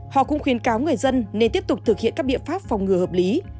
họ cũng khuyên cáo người dân nên tiếp tục thực hiện các biện pháp phòng ngừa hợp lý